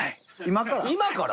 今から？